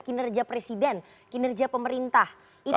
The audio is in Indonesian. kinerja presiden kinerja pemerintah